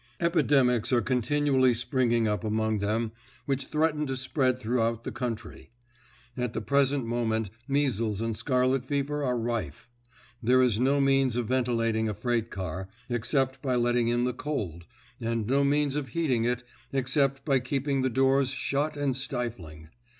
Epidemics are continually springing up among them which threaten to spread throughout the country. At the present moment measles and scarlet fever are rife. There is no means of ventilating a freight car, except by letting in the cold, and no means of heating it, except by keeping the doors shut and stifling.